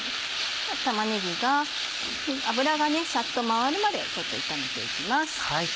玉ねぎが油がサッと回るまでちょっと炒めていきます。